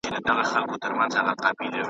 د غریب ملا په آذان څوک روژه هم نه ماتوي .